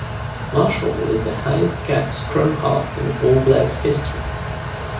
Marshall is the highest capped scrum half in All Blacks history.